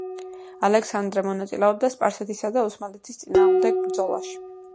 ალექსანდრე მონაწილეობდა სპარსეთისა და ოსმალეთის წინააღმდეგ ბრძოლებში.